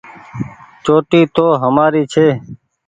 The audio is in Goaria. چوٽي تو همآري ڇي ۔